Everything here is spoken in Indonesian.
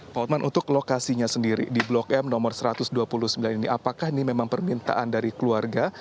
pak otman untuk lokasinya sendiri di blok m nomor satu ratus dua puluh sembilan ini apakah ini memang permintaan dari keluarga